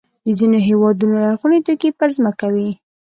د ځینو هېوادونو لرغوني توکي پر ځمکې وي.